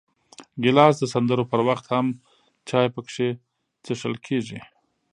ګیلاس د سندرو پر وخت هم چای پکې څښل کېږي.